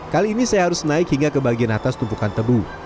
kali ini saya harus naik hingga ke bagian atas tumpukan tebu